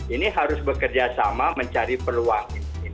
ini harus bekerjasama mencari peluang